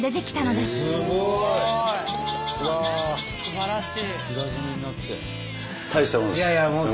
すばらしい。